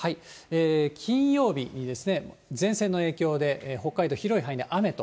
金曜日に前線の影響で北海道広い範囲で雨と。